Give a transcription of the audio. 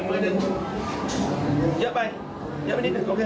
เรียบร้อยครับ